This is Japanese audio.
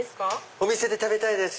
お店で食べたいです。